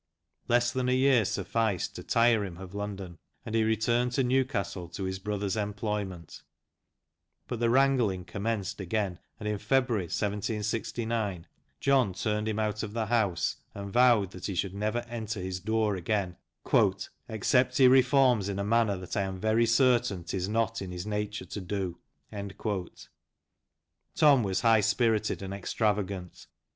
Less than a year sufficed to tire him of London, and he returned to Newcastle to his brother's employment, but the wrangling commenced again, and in February, 1769, John turned him out of the house, and vowed that he should never enter his door again, "except he reforms in a manner that I am very certain 'tis not in his nature to do." Tom was high spirited and extravagant.